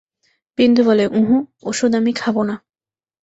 বিন্দু বলে, উঁহু, ওষুধ আমি খাব না!